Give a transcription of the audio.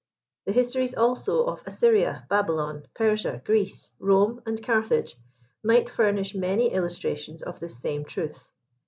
The histories also of Assyria, Babylon, Persia, Greece, Rome and Carthage, might furnish many illustrations of this same truth.